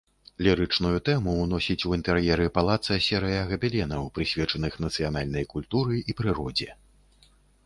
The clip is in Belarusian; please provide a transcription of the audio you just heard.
Лірычную тэму ўносіць у інтэр'еры палаца серыя габеленаў, прысвечаных нацыянальнай культуры і прыродзе.